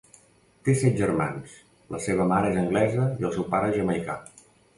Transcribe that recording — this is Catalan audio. Té set germans, la seva mare és anglesa i el seu pare jamaicà.